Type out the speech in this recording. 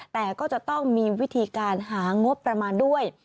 แต่ก็จะต้องมีวิธีการหางบประมาณด้วย